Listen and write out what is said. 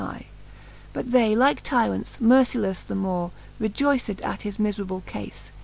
XXIII. But they like tyrants, mercilefTe the more, Rejoyced at his miferable cafe.